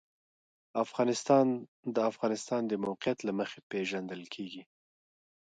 افغانستان د د افغانستان د موقعیت له مخې پېژندل کېږي.